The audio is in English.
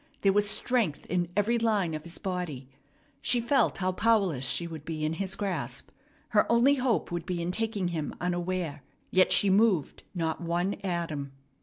There was strength in every line of his body. She felt how powerless she would be in his grasp. Her only hope would be in taking him unaware. Yet she moved not one atom.